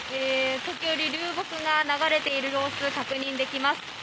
時折、流木が流れている様子が確認できます。